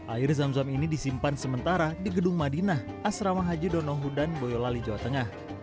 air zam zam ini disimpan sementara di gedung madinah asrama haji donohudan boyolali jawa tengah